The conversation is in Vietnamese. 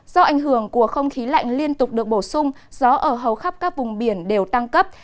do ảnh hưởng của không khí lạnh liên tục được bổ sung gió ở hầu khắp các vùng biển đều tăng cấp